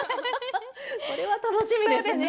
それは楽しみですね。